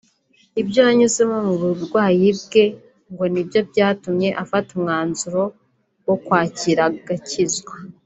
Ibyo yanyuzemo mu burwayi bwe ngo ni byo byatumwe afata umwanzuro wo kwakira agakiza